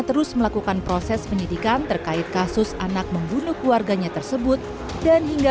terus melakukan proses penyidikan terkait kasus anak membunuh keluarganya tersebut dan hingga